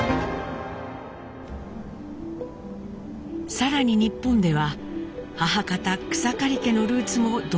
更に日本では母方草刈家のルーツも同時に探ります。